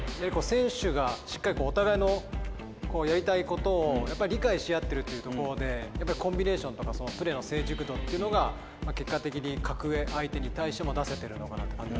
選手がしっかりお互いのやりたいことを理解しあってるというところでコンビネーションとかプレーの成熟度っていうのが結果的に格上相手に対しても出せてるのかなと感じますよね。